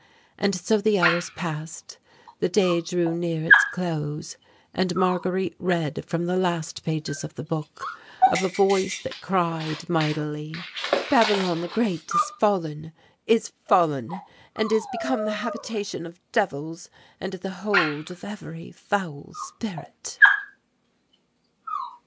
And so the hours passed; the day drew near its close and Marguerite read from the last pages of the book, of a voice that cried mightily "Babylon the great is fallen, is fallen, and is become the habitation of devils and the hold of every foul spirit."